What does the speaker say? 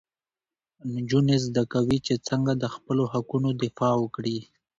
نجونې زده کوي چې څنګه د خپلو حقونو دفاع وکړي.